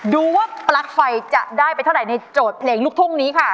ดูว่าปลั๊กไฟจะได้ไปเท่าไหร่ในโจทย์เพลงลูกทุ่งนี้ค่ะ